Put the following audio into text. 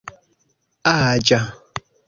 aĝa